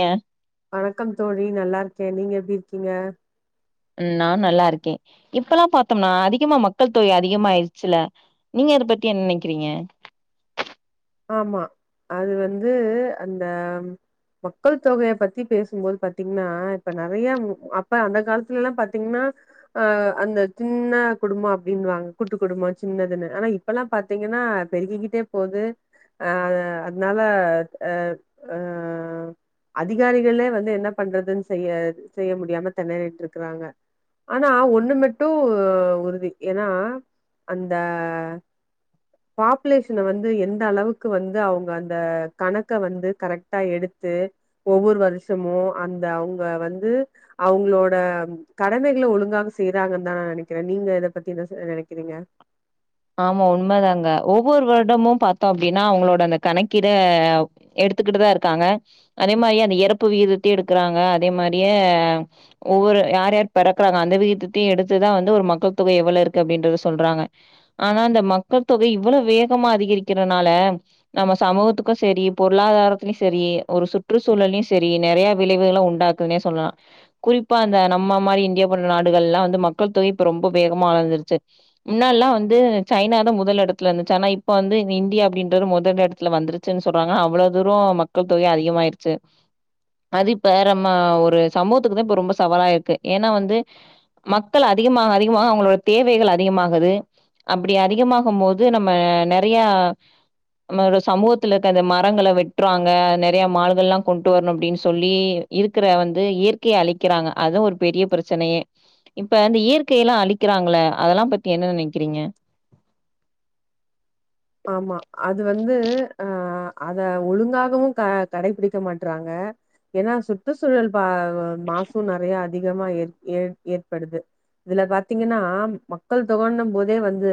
ஏ வணக்கம் தோழி நல்லா இருக்கே நீங்க எப்டி இருக்கீங்க நான் நல்லா இருக்கே இப்பல்லா பாத்தோம்னா அதிகமா மக்கள் தொகை அதிகமாயிடுச்சுல நீங்க ங்க அத பத்தி என்ன நெனைக்கிறீங்க ஆமா அது வந்து அந்த மக்கள் தொகைய பத்தி பேசும்போது பாத்தீங்ன்னா இப்ப நெறைய அப்ப அந்த காலத்துல எல்லா பாத்தீங்கன்னா ஆ அந்த சின்ன குடும்ப அப்படின்னுவாங்க கூட்டு குடும்ப சின்னதுன்னு ஆனா இப்பல்லா பாத்தீங்க ன்னா பெருகிக்கிட்டே போது அ அதனால அ அதிகாரிகளே வந்து என்ன பண்றதுன் செய்ய செய்ய முடியாம தெனறிட்டு இருக்கறாங்க ஆனா ஒண்ணு மட்டு உறுதி ஏன்னா அந்த பாப்புலேஷன வந்து எந் அந்த அளவுக்கு வந்து அவங்க அந்த கணக்க வந்து கரெக்டா எடுத்து ஒவ்வொரு வருஷமு அந்த அவங்க வந்து அவங்களோட கடமைகளை ஒழுங்காக செய்றாங்கன் தா நா நெனைக்கிறே நீங்க இத பத்திஎன்ன ச நெனைக்கிறீங்க ஆமா உண்மதாங்க ஒவ்வொரு வருடமு பாத்தோ அப்படின்னா அவங்களோட அந்த கணக்கிட எடுத்துக்கிட்டு தா இருக்காங்க அதே மாரிய அந்த எறப்பு வீதத்தையு எடுக்கிறாங்க அதே மாரிய ஒவ்வொரு ஒரு யார் யார் பெறக்கறாங்க அந்த விகிதத்தையு எடுத்துதா வந்து ஒரு மக்கள் தொகை எவ்வளவு இருக்கு அப்படின்றத சொல்றாங்க ஆனா அந்த மக்கள் தொகை இவ்வளவு வேகமா அதிகரிக்கிறனால நம்ம சமூகத்துக்கு சரி பொருளாதார தாரத்துலயு சரி ஒரு சுற்றுச்சூழலு சரி நெறைய விளைவுக உண்டாக்குதுனே சொல்லலா குறிப்பா அந்த நம்ம மாரி இந்தியா போன்ற நாடுகள் எல்லா வந்து மக்கள் தொகை இப்ப ரொம்ப வேகமா அளந்துருச்சு முன்னாலல்லா வந்து வந்து சைனா தா முதல் எடத்துல இருந்துசு ஆனா இப்ப வந்து இந்தியா அப்டின்றது முதல் இடத்துல வந்துச்சு சொல்றாங்க அவளவு தூரம் மக்கள் தொகை அதிகமாயிருச்சு அது இப்ப நம்ம ஒரு சமூகத்துக்குதா இப்ப ரொம்ப சவாலா இருக்கு ஏன்னா வந்து மக்கள் அதிகமாக அதிகமாக அவங்களோட தேவைகள் அதிகமாகுது அப்படி அதிகமாகும் போோது நம்ம நெறைய நம்மளோட சமூகத்துல இருக்க அந்த மரங்களை வெட்டுறாங்க நெறைய மால்கள் எல்லா கொண்டு வரணு அப்படின்னு சொல்லி இருக்கிற வந்து இயற்கையை அழிக்கிறாங்க அதுவு ஒரு பெரிய பிரச்சனையே இப்ப இந்த இயற்கையெல்லா அழிக்கிறாங்கள அதெல்லா பத்தி என்ன நெனைக் க்கிறீங்க ஆமா அது வந்து அ அத ஒழுங்காகவு க கடைபிடிக்க மாட்றாங்க ஏன்னா சுற்றுச்சூழல் பா மாசு நெறைய அதிகமா ஏற் ஏற் ஏற்படுது இதுல பாத்தீங்கன்னா மக்கள் தொகனும் போதே வந்து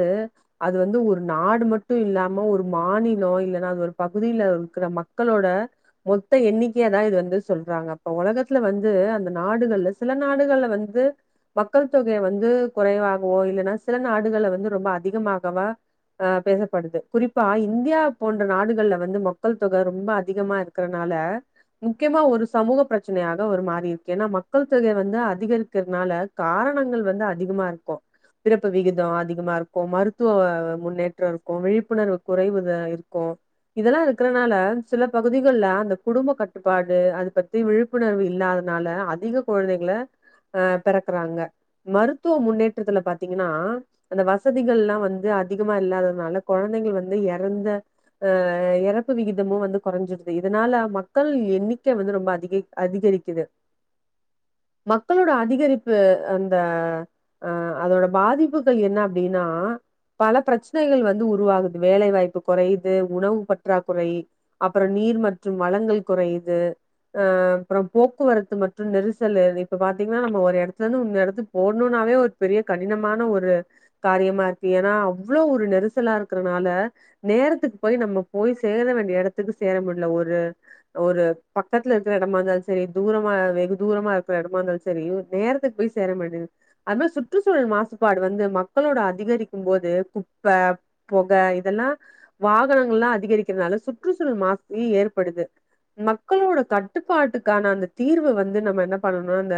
அது வந்து ஒரு நாடு மட்டு டு இல்லாம ஒரு மாநில இல்லன்னா அது ஒரு பகுதில இருக்கிற மக்களோட மொத்த எண்ணிகே கதா இது வந்து சொல்றாங்க அப்ப ஒலகத்துல வந்து அந்த நாடுகள்ல சில நாடுகள்ல வந்து மக்கள் தொகை வந்து குறைவாகவோ இல்லன்னா சில நாடுகள்ள வந்து ரொம்ப அதிகமாகவ ஆ பேச படுது குறிப்பா இந்தியா போன்ற நாடுகள்ல வந்து மக்கள் தொக ரொம்ப அதிகமா இருக்கறனால முக்கியமா ஒரு சமூக பிரச்சனையாக உருமாறி இருக்கு ஏன்னா மக்கள் தொகை வந்து அதிகரிக்கிறதுனால கார் கணங்கள் வந்து அதிகமா இருக்கு பிறப்பு விகித அதிகமா இருக்கு மருத்துவ முன்னேற்ற விழிப்புணர்வு குறைவுத இருக்கு இதெல்லா இருக்கறனால சில பகுதிகள்ல அந்த குடும்ப கட்டுப்பாடு அது பத்தி விழிப்புணர்வு இல்லாத னால அதிக கொழந்தைங்கள அ பெறக்குறாங்க மருத்துவ முன்னேற்றத்துல பாத்தீங்கன்னா அந்த வசதிகள்ல்லா வந்து அதிகமா இல்லாததுனால கொழந்தைகள் வந்து எறந்த ஆ எறப்பு விகிதமும் வந்து குறைஞ்சட்து இதுனால மக்கள் எண்ணிக்கை வந்து ரொம்ப அதிக அதிக ரிக்குது மக்களோட அதிகரிப்பு அந்த அ அதோட பாதிப்புகள் என்ன அப்டின்னா பல பிரச்சனைகள் வந்து உருவாகுது வேலை வாய்ப்பு குறையுது உணவு பற்றாக்குறை அப்புற நீர் மற்றும் வளங்கள் குறையு இது ஆ அப்புறம் போக்குவரத்து மற்றும் நெரிசல் இப்ப பாத்தீங்கனா நம்ம ஒரு எடத்துல இருந்து இன்னொர் எடத்து போவ்ணும்ணால அதுவே ஒரு பெரிய கடினமான ஒரு காரியமா இருக்கு ஏன்னா அவ்ளே ஒரு நெரிசலா இருக் கிறதுனால நேரத்துக்கு போய் நம்ம போய் சேர வேண்டிய எடத்துக்கு சேர முடியுல ஒரு ஒரு பக்கத்துல இருக்கிற இடமா இருந்தாலும் சரி தூரமா வெகு தூரமா இருக்கிற இடமா இருந்தாலும் சரி நேரத்துக்கு போய் சேர மாட் அதுமாரி சுற்றுச்சூழல் மாசுபாடு வந்து மக்களோட அதிகரிக்கும் போது குப்ப பொக இதெல்லா வாகனங்கள்லா அதிகரிக்கிறதுனால சுற்றுச்சூழல் மாசி ஏற்படுது மக்களோட கட்டுப்பாட்டுக்கான அந்த தீர்வு வந்து நம்ம என்ன பண்ணனும் அந்த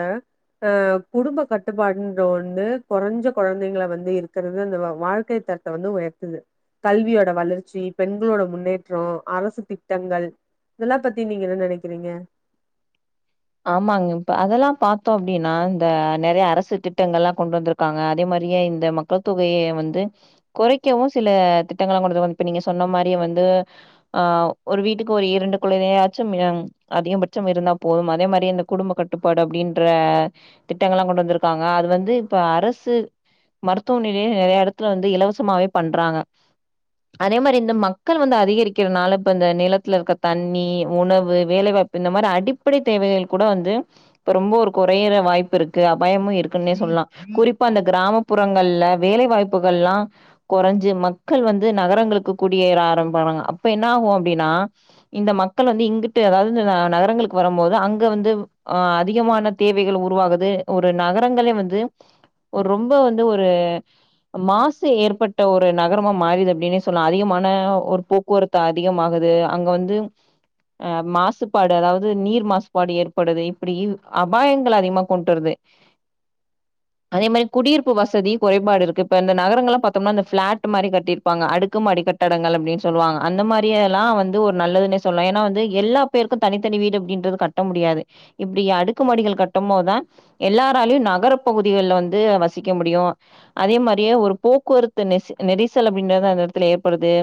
அ குடும்ப கட்டுப்பாடுன்ற ஒண்ணு கொறைஞ்ச குழந்தைங்க வந்து இருக்கிறது அந்த வாழ்க்கை தரத்த வந்து உயர் து கல்வியோட வளர்ச்சி பெண்களோட முன்னேற்றோ அரசு திட்டங்கள் இதெல்லா பத்தி நீங்க என்ன நினைக்கிறீங்க ஆமாங்க இப்ப அதெல்லா பாத்தோ அப்டின்னா இந்த நெறைய அரசு திட்டங்கள்லா கொண்டு வந்திருக்காங்க அதே மா ரி ஏன் இந்த மக்கள் தொகய வந்து கொறைக்கவு சில திட்டங்களா கொண்டுவந்து இப்ப நீங்க சொன்ன மாரிய வந் து ஆ ஒரு வீட்டுக்கு ஒரு இரண்டு குழந்தையாச்சும் அதிகபட்சம் இருந்தா போதும் அதே மாரி இந்த குடும்ப கட்டுப்பாடு அப்டின்ற திட்டங்கள் எல்லா கொண்டு வந்திருக்காங்க அது வந்து இப்ப அரசு மருத்துவ நிலைய நெறய எடத்துல வந்து இலவசமாவே பண்றாங்க அதே மாரி இந்த மக்கள் வந்து அதிகரிக்கிறதுனால இப்ப இந்த நிலத்துல இருக்கற தண்ணி உணவு வேலைவாய்ப் இந்த மாதிரி அடிப்படை தேவைகள் கூட வந்து இப்ப ரொம்ப ஒரு குறையற வாய்ப்பு இருக்கு அபாயமும் இருக்குன்னே சொல்லலா குறிப்பா இந்த கிராமப்புறங்கள்ல வேலை வாய்ப்புகள்லா கொறஞ்சு மக்கள் வந்து நகரங்களுக்கு குடியேர ஆரம்பிபோறாங்க அப்ப என்ன ஆகு அப்டின்னா இந்த மக்கள் வந்து இங்கிட்டு அதாவது நகரங்களுக்கு வர போது அங்க வந்து அ அதிகமான தேவைகள் உருவாகுது ஒரு நகரங்களே வந்து ஒரு ரொம்ப வந்து ஒரு மாசு ஏற்பட்ட ஒரு நகரமா மாறிது அப்டின்னே சொல்லா அதிகமான ஒரு போக்குவரத்து அதிகமாகு து அங்க வந்து மாசுபாடு அதாவது நீர் மாசுபாடு ஏற்படுது இப்படி அபாயங்கள் அதிகமா கொண்டுவர்றது அதே மாரி குடியிருப்பு வசதி குறைபாடு இருக்கு இப்ப இந்த நகரங்கள்லா பாத்தோம்னா இந்த ஃபிளாட் மாரி கட்டிருப்பாங்க அடுக்கு மாடி கட்டடங்கள் அப்டின்னு சொல்லுவாங்க அந்த மாரி எல்லாம் வந்து ஒரு நல்லதுனே சொல்லலா வந்து எல்லா பேருக்கு தனித்தனி வீடு அப்புடின்றது கட்ட முடியாது இப்டி அடுக்கு மாடிகள் கட்டும்போதா எல்லாராலயு நகர பகுதிகள்ல வந்து வசிக்க முடியு அதே மாரியே ஒரு போக்குவரத்து நெரிசல் அப்படின்றத அந்த எடத்துல ஏற்படுது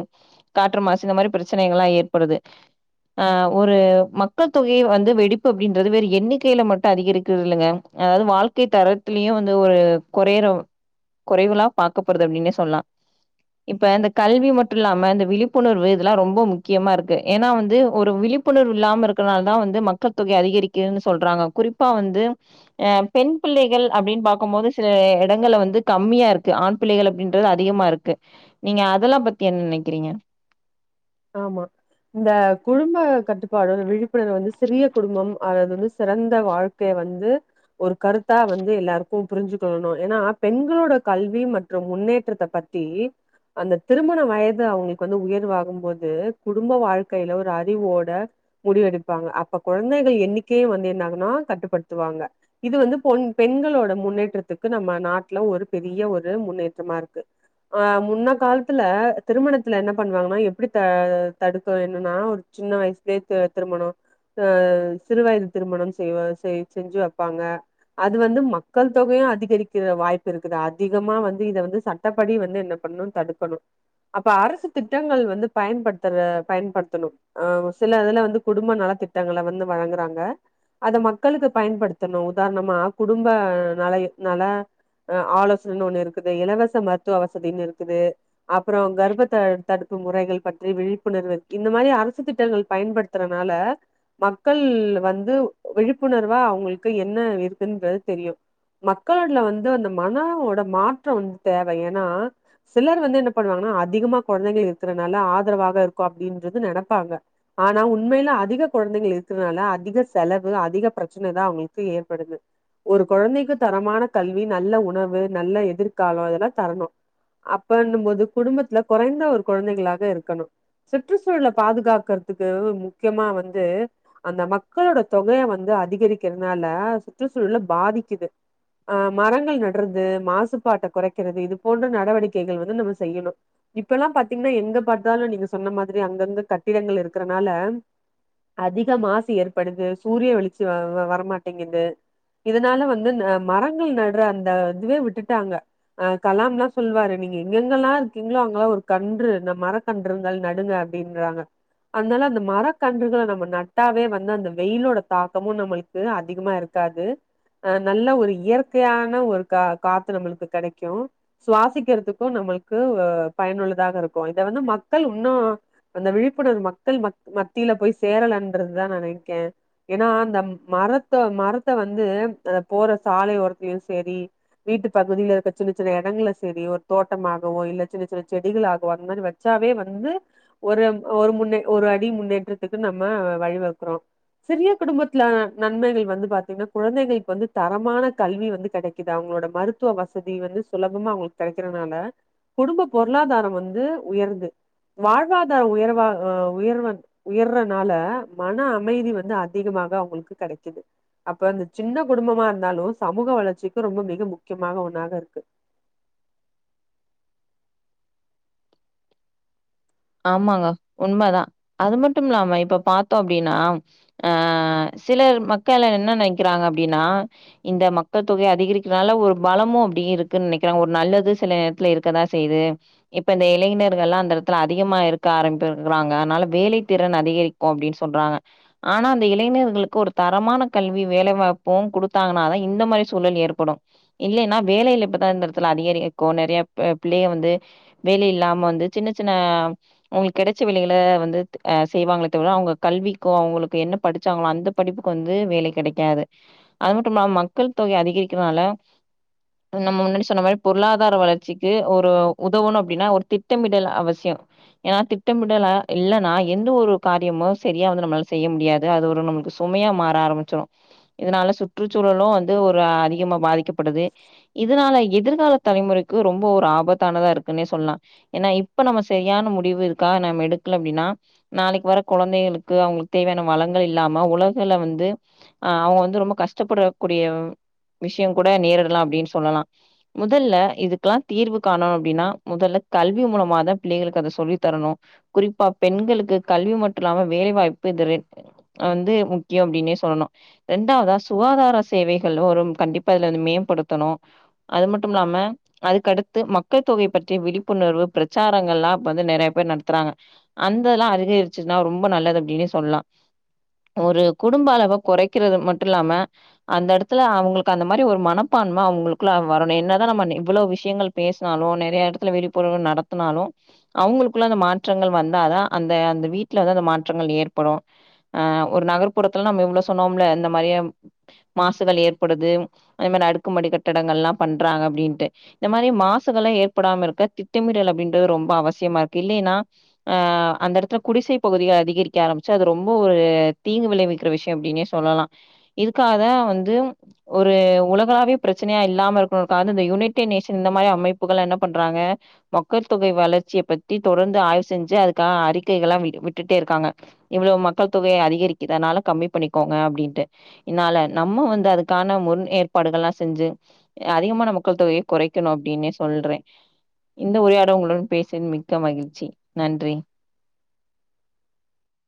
காற்று மாசு இந்த மாரி பிரச்சனைகல்லா ஏற்படுது ஆ ஒரு மக்கள் தொகை வந் து வெடிப்பு அப்படின்றது வேற எண்ணிக்கையில மட்டு அதிகரிக்குறதுல்லங்க அதாவது வாழ்க்கை தரத்திலயும் வந்து ஒரு கொறையறவு கொறைவுளா பாக்கப்படுது அப்படின்னே சொல்லா இப்ப இந்த கல்வி மட்டு இல்லாம இந்த விழிப்புணர்வு இதெல்லா ரொம்ப முக்கியமா இருக்கு ஏன்னா வந்து ஒரு வி ழிப்புணர்வு இல்லாம இருக்கனால தா வந்து மக் மக்கள் தொகை அதிகரிக்குதுன்னு சொல்றாங்க குறிப்பா வந்து பெண் பிள்ளைகள் அப்படின்னு பாக்கும்போது சில எடங்கல்ல வந்து கம்மியா இருக்கு ஆண் பிள்ளைகள் அப்படின்றது அதிகமா இருக்கு நீங்க அதெல்லா பத்தி என்ன நெனைக்கிறீங்க ஆமா இந்த குடும்ப கட்டுப்பாடு விழிப்புணர்வு வந்து சிறிய குடும்பம் அது வந்து சிறந்த வாழ்க்கை வந்து ஒரு கருத்தா வந்து எல்லாருக்கும் புரிஞ்சுக் கொள்ளணும் ஏன்னா பெண்களோட கல்வி மற்றும் முன்னேற்றத்தை பத்தி அந்த திருமண வயது அவங்களுக்கு வந்து உயர்வாகும் போது து குடும்ப வாழ்க்கையில ஒரு அறிவோட முடிவெடுப்பாங்க அப்ப குழந்தைகள் எண்ணிக்கை வந்து என் ன்னாதுனா கட்டுப்படுத்துவாங்க இது வந்து பொண் பெண்களோட முன்னேற்றத்துக்கு நம்ம நாட்ல ஒரு பெரிய் ய ஒரு முன்னேற்றமா இருக்கு ஆ முன்ன காலத்துல திருமணத்துல என்ன பண்ணுவாங்கனா எப் ப்டி த தடுத்தோ என்னனா ஒரு சின்ன வயசுலே து திருமண அ சிறு வயது திருமணம் செய்வ செய் செஞ்சு வெப்பாங்க அது வந்து மக்கள் தொகையு க அதிகரிக்கிற வாய்ப்பு இருக்குது அதிகமா வந்து இத வந்து சட்டப்படி வந்து என்ன பண்ணு தடுக்கணு அப்ப அரசு திட்டங்கள் வந்து பயன்படுத்துற பயன்படுத்தணு ஆ சில இதுல வந்து குடும்ப நலத்திட்டங்கள வந்து வழங்குறாங்க அத மக்களுக்கு பயன்படுத்தணு உதார்ணமா குடும்ப நல ஏ நல அ ஆலோசனனு ஒன்னு இருக்குது இலவச மருத்துவ வசதினு இருக்குது அப்றோ கர்ப்பத்த தடுப் தூங் முறைகள் பற்றி விழிப்புணர்வு இந்த மாரி அரசு திட்டங்கள் பயன்படுத்துறனால மக்கள் வந்து டு விழிப்புணர்வா அவ்ங்களுக்கு என்ன இருக்குன்றது தெரியு மக்கள்ட்ல வந்து அந்த மனோ ஓட மாற்ற வந்து தேவ ஏனா சிலர் வந்து என்ன பண்ணுவாங்கனா அதிகமா கொழந்தைங்க இருக்குறனால ஆ ந்தரவாக இருக்கு அப்டின்றது நெனப்பாங்க ஆனா உண்மைல அதிக கொழந்தைங்கள் இருக்குறனால அதிக செலவ் து அதிக பிரச்சனதா அவ்ங்களுக்கு ஏற்படுது ஒரு கொழந்தைக்கு தரமான கல்வி நல்ல உணவு நல்ல எதிர்கால இதெல்லா தரணு அப்பன்னும் போது குடும்பத்துல கொறைந்த ஒரு கொழந்தைகளாக இருக் கணு சுற்றுச்சூழல பாதுகாக்கற்த்துக்கு முக்கியமா வந்து அந்த மக்களோட தொக் மே வந்து அதிகரிக்கிறதுனால சுற்றுச்சூழல பாதிக்குது அ மரங்கள் நட்றது மாசுபாட்ட கொறைக்கிறது இது போன்ற நடவடிக்கைகள் வந்து நம்ம செய்யணு இப்பலா பாத்தீங்னா எங்க பாத்தாலு நீங்க சொன்ன மாதிரி அங்கங்க கட்டிடங்கள் இருக்கிறனால அதிக மாசு ஏற்படுது சூரிய வெளிச்சு வ வரமாட்டேங்குது இதுனால வந்து இந்த மரங்கள் நட்ற அந்த இதுவே விட்டுட்டாங்க அ கலாம்லா சொல்வாரு நீ நீங்க எங்கெங்கெல்லா இருக்கீங்ளோ அங்கலா ஒரு கன்று இந்த மரக்கன்றுங்கள் நடுங்க அப்டின்றாங்க அதுனால அந்த மரக்கன்றுகள நம்ம நட்டாவே வந்து அந்த வெயிலோட தாக்கமு நம்மளுக்கு அதிகமா இருக் காது அ நல்ல ஒரு இயற்கையான ஒரு கா காத்து நம்மளுக்கு கெடைக்கு சுவாசிக்கிறத்துக்கு நம் பைக்கு வ பயனுள்ளதாக இருக்கு ‌இத வந்து மக் க்கள் உன்னு அந்த விழிப்புணர்வு மக்கள் மத் மத்தில போய் சேரலன்றதுதா நனைக்கே ஏனா அந்தம் மரத்த மரத்த வந்து அ போற சாலை ஒரத்லயு சேரி வீட்டு பகுதில இருக்க சின்ன சின்ன எடங்கல சேரி ஒரு தோட்டமாகவோ இல்ல சின்ன சின்ன செடிகளாகவோ அந்த மாரி வச் ச்சாவே வந்து ஒரு ஒரு முன்னே ஒரு அடி முன்னேற்றத்துக்கு நம்ம வழிவகுக்குறோ சிறிய குடும்பத்ல நன்மைகள் வந்து பாத்தீங்னா குழந்தைங்களுக்கு வந்து தரமான கல்வி வந்து கெடைக்குது அவ்ங் களோட மருத்துவ வசதி வந்து சுலபமா அவ்ங்களுக்கு கெடைக்கிறனால குடும்ப பொருளாதார வந்து உயர்ந்து வாழ்வாதார உயர்வா அ உயர்வென் உயர்றனால மன அமைதி வந்து அதிகமா மாக் அவ்ங்களுக்கு கெடைக்குது அப்ப அந்த சின்ன குடும்பமா இருந்தாலு சமூக வளர்ச்சிக்கு ரொம்ப மிக முக்கியமான ஒன்னாக இருக்கு ஆமாங்க உண்மதா அது மட்டுமில்லாம இப்ப பாத்தோ அப்டினா அ சிலர் மக்கள என்ன நெனைக்கிறாங்க அப்டினா இந்த மக்கள் தொகை அதிகரிக்கிறனால ஒரு பலமு கூடி இருக்குன் நெனைக்கிற ஒரு நல்லது சில நேரத்துல இருக்கதா செய்து இப்ப இந்த இளைநர்கள்லா அந்த எடத்துல அதிகமா இருக்க ஆரம்பிட்ருக்கிறாங்க அதனால வேலை திறன் அதிகரிக்கு அப்டின் சொல்றாங்க ஆனா அந்த இளைநர் வ்களுக்கு ஒரு தரமான கல்வி வேலைவாய்ப்பு குடுத்தாங்கனா தா இந்த மாரி சூழல் ஏற்படு இல்லைனா இப் வேலைல இப்பதா இந்த எடத்துல அதிகரிக்கு நெறையா இப்ப பிள்ளைய வந்து வேல இல்லாம வந்து சின்ன சின்ன ம் அவ்ங்களுக்கு கெடச்ச வேலைகள வந்து து அ செய்வாங்களே தவிர அவ்ங்க கல்விக்கு அவ்ங்களுக்கு என்ன படிச்சாங்களா அந்த படிப்புக்கு வந்து வேலை கெடைக்காது அது மட்டுமில்லாம மக்கள் தொகை அதிகரிக்கிறனால நம்ம முன்னாடி சொன்ன மாரி பொருளாதார வளர்ச்சிக்கு ஒரு உதவணு அப்டினா ஒரு திட்டமிடல் அவசிய ஏனா திட்டமிடலா இல்லனா எந்த ஒரு காரியமு செரியா வந்து நம்மளால செய்ய முடியாது அது ஒரு நம்மளுக்கு சுமையா மாற ஆரம்பிச்சிடு இதனால சுற்றுச்சூழலு வந்து ஒரு அதிகமா பாதிக்கப்படுது இதனால எதிர்கால தலைமுறைக்கு ரொம்ப ஒரு ஆபத்தானதா இருக்குன்னே சொல்லா ஏன்னா இப்ப நம்ம செரியான முடிவு இருக்கா நம்ம எடுக்கல அப்டின்னா நாளைக் வர கொழந்தைகளுக்கு அவுங்களுக் தேவையான வளங்கள் இல்லா ம உலகல வந்து அ அவுங்க வந்து ரொம்ப கஷ்டப்படக்கூடிய விஷயம் கூட நேரிடலாம் அப்படின்னு சொல்லலாம் முதல்ல இதுக்கெல்லாம் தீர்வு காணு அப்டினா முதல்ல கல்வி மூலமாதா பிள்ளைகளுக்கு அத சொல்லி தரணு குறிப்பா பெண்களுக்கு கல்வி மட்றில்லாம வேலைவாய்ப்பு இது ரெ வந்து முக்கியு அப்டின்னே சொல்லணு ரெண்டாவதா சுகாதார சேவைகளோ ஒரு கண்டிப்பா இதுல வந்து மேம்படு த்தணு அது மட்டுமில்லாம அதுக்கடுத்து மக்கள் தொகை பற்றி விழிப்புணர்வு ப்ரச்சார ங்கள்லா இப்ப வந்து நெறைய பேர் நடத்துறாங்க அந்தல்லா அதிகரிச்சுன்னா ரொம்ப நல்லது அப்டினே சொல்லா ஒரு குடும்ப அளவ கொறைக்கிறது மட்டு இல்லாம அந்த எடத்துல அவுங்களுக்கு அந்த மாரி ஒரு மனப்பா ன்மா அவுங்களுக்குள்ள வரணு என்ன தா நம்ம எவ்வளவ் விஷயங்கள் பேஸ்னாலு நெறைய எடத்துல விழிப்புணர்வு நடத் னாலு அவுங்களுக்குள்ள அந்த மாற்றங்கள் வந்தாதா அந்த அந்த வீட்ல வந்து அந்த மாற்றங்கள் ஏற்படு ஆ ஒரு நகர்ப்புறத்துல நம்ம இவ்ளோ சொன்னோம்ல இந்த மாரியே மாசுகள் ஏற்படுது இந்மா அடுக்குமடி கட்டடங்கள் ல்லா பண்றாங்க அப்டின்ட்டு இந்த மாரி மாசுக ஏற்படாம இருக்க திட்டமிடல ன்றது ரொம்ப அவசியமா இருக்கு இல்லேன்னா அ அந்த எடத்துல குடிசை பகுதிக அதிகரிக்க ஆரம்பிச்சு அது ரொம்போ ஒரு தீங்கு விளைவிக்கிற விஷ்ய அப்டீனே சொல்லலா இதுக்காக வந்து ஒரு உ உலகாவிய ப்ரெச்சனையா இல்லாம இருக்கனுகா இந்தந்த யூனிட்டின் நேஷன் இந்த மாரி அமைப்புகள் என்ன பண்றாங்க ம க்கள் தொகை வளர்ச்சிய பத்தி தொடர்ந்து ஆய்வு செஞ்சு அதுக்கா அறிக்கைகள்லா வி விட்டுட்டே இருக்காங்க இவ்ளோ மக்கள் தொகைய அதிகரிக்கிது அத்னால கம்மி பண்ணிக்கோங்க அப்டின்ட்டு இன்னால நம்மோ வந்து அதுக்கான முன்னே பாடுகள்ல்லா செஞ்சு அதிகமான மக்கள் தொகைய கொறைக்கணு அப்டின்னே சொல்றே இந்த ஒரு த உங்களுடன் பேசின் மிக்க மகிழ்ச்சி நன்றி